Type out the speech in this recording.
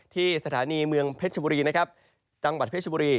ที่สถานีเมืองเพชรบุรีนะครับจังหวัดเพชรบุรี